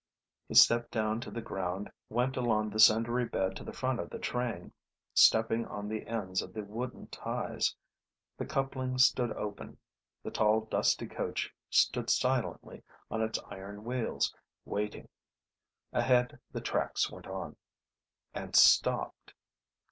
He stepped down to the ground, went along the cindery bed to the front of the train, stepping on the ends of the wooden ties. The coupling stood open. The tall, dusty coach stood silently on its iron wheels, waiting. Ahead the tracks went on And stopped.